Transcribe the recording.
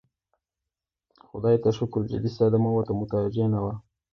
خدای ته شکر جدي صدمه ورته متوجه نه وه.